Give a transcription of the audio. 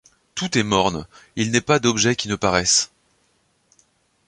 Tout est morne. Il n est pas d’objet qui ne paraisse